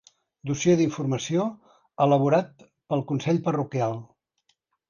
Dossier d'informació elaborat pel Consell Parroquial.